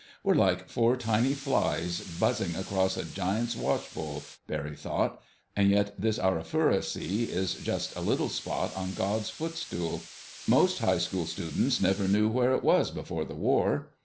"We're like four tiny flies buzzing across a giant's washbowl," Barry thought. "And yet this Arafura Sea is just a little spot on God's Footstool. Most high school students never knew where it was before the war.